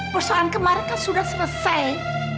persoalan kemarin kan sudah selesai